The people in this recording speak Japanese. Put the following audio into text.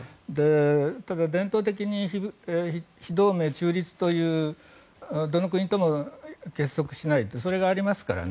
ただ伝統的に非同盟、中立というどの国とも結束しないそれがありますからね。